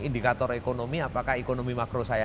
indikator ekonomi apakah ekonomi makro saya